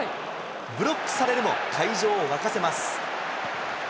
ブロックされるも会場を沸かせます。